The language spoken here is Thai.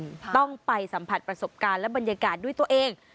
มันยังไม่ฟินต้องไปสัมผัสประสบการณ์และบรรยากาศด้วยตัวเอง